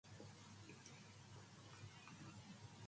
Pilots that polled favourably were developed into full series.